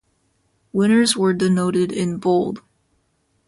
Winners were denoted in Bold.